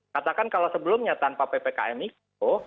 katakan kalau sebelumnya tanpa ppkm mikro